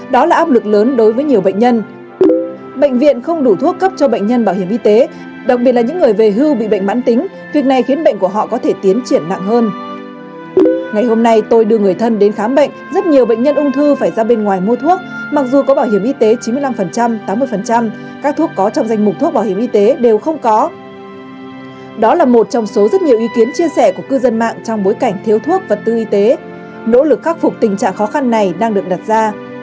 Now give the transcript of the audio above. đó là một trong số rất nhiều ý kiến chia sẻ của cư dân mạng trong bối cảnh thiếu thuốc vật tư y tế nỗ lực khắc phục tình trạng khó khăn này đang được đặt ra